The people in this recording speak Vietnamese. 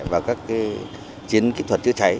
và các chiến kỹ thuật chữa cháy